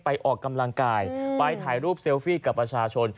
ออกกำลังกายไปถ่ายรูปเซลฟี่กับประชาชน